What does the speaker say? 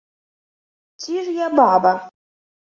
Ці ж я баба?!.